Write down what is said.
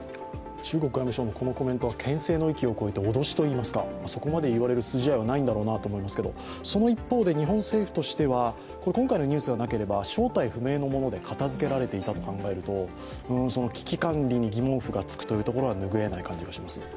中国外務省もこのコメントもけん制の域を超えて脅しといいますか、そこまで言われる筋合いはないんだろうなと思いますけど、その一方で日本政府としては今回のニュースがなければ、正体不明のもので片づけられていたことを思えば危機管理に疑問符がつくというところが拭えない感じがします。